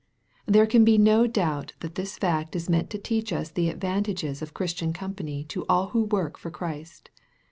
There can be no doubt that this fact is meant to teach us the advantages of Christian company to all who work for Christ.